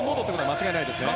間違いないですね。